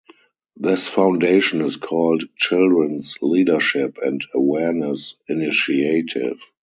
This foundation is called Children's Leadership and Awareness Initiative.